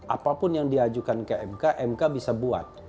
apapun yang diajukan ke mk mk bisa buat